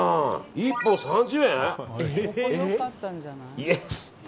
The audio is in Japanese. １本３０円？